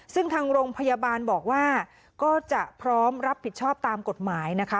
ซึ่งทางโรงพยาบาลบอกว่าก็จะพร้อมรับผิดชอบตามกฎหมายนะคะ